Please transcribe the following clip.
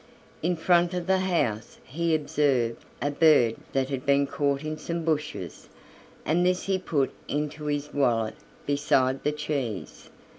In front of the house he observed a bird that had been caught in some bushes, and this he put into his wallet beside the cheese.